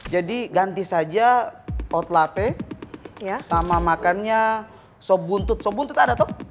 jadi ganti saja hot latte sama makannya sop buntut sop buntut ada toh